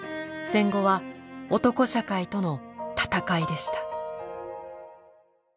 戦後は男社会との闘いでした。